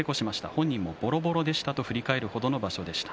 本人もボロボロでしたと振り返る程の場所でした。